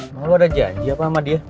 emang lo udah janji apa sama dia